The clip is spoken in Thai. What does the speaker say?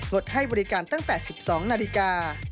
ดให้บริการตั้งแต่๑๒นาฬิกา